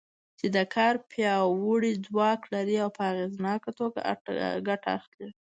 چې د کار پیاوړی ځواک لري او په اغېزناکه توګه ګټه اخلي.